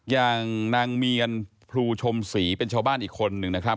อย่างนางเมียนพลูชมศรีเป็นชาวบ้านอีกคนนึงนะครับ